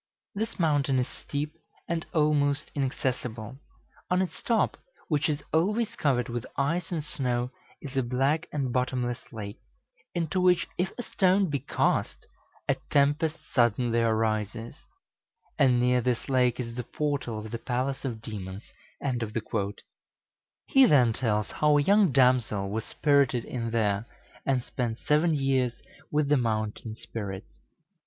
This mountain is steep, and almost inaccessible. On its top, which is always covered with ice and snow, is a black and bottomless lake, into which if a stone be cast, a tempest suddenly arises; and near this lake is the portal of the palace of demons." He then tells how a young damsel was spirited in there, and spent seven years with the mountain spirits.